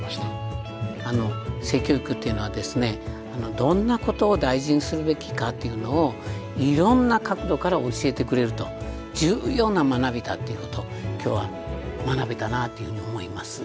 どんなことを大事にするべきかっていうのをいろんな角度から教えてくれると重要な学びだっていうこと今日は学べたなというふうに思います。